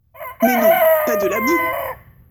Mais non, pas de la boue ?